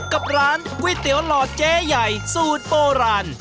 กับร้านก๋วยเตี๋ยวหลอดแจ๋วใหญ่สูตรโปรหลาน